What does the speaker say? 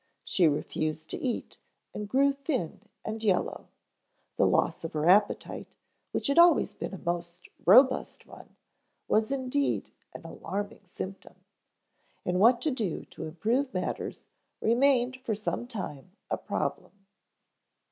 She refused to eat and grew thin and yellow. The loss of her appetite, which had always been a most robust one, was indeed an alarming symptom. And what to do to improve matters remained for some time a problem.